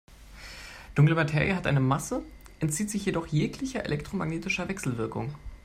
Dunkle Materie hat eine Masse, entzieht sich jedoch jeglicher elektromagnetischer Wechselwirkung.